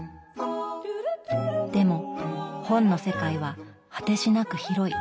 でも本の世界は果てしなく広い。